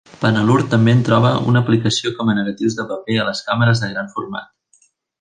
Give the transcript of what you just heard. Panalure també en troba una aplicació com a negatius de paper a les càmeres de gran format.